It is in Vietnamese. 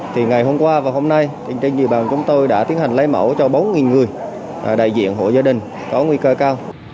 thì ngày hôm qua và hôm nay trên địa bàn chúng tôi đã tiến hành lấy mẫu cho bốn người đại diện hộ gia đình có nguy cơ cao